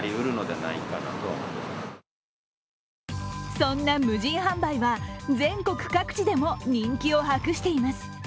そんな無人販売は全国各地でも人気を博しています。